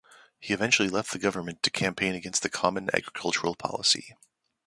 He eventually left the government to campaign against the Common Agricultural Policy.